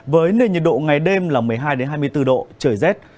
với nền nhiệt độ ngày đêm là một mươi hai hai mươi bốn độ trời rét